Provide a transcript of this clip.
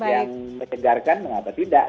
yang mencegarkan mengapa tidak